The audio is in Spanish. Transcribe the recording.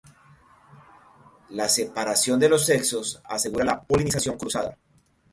La separación de los sexos asegura la polinización cruzada.